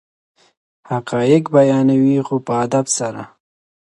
حقایق بیانوي خو په ادب سره.